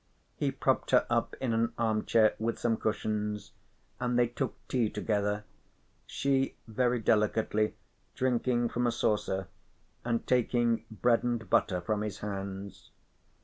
He propped her up in an armchair with some cushions, and they took tea together, she very delicately drinking from a saucer and taking bread and butter from his hands.